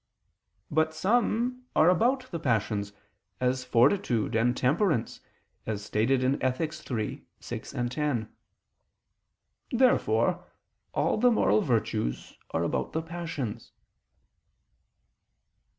But some are about the passions, as fortitude and temperance, as stated in Ethic. iii, 6, 10. Therefore all the moral virtues are about the passions.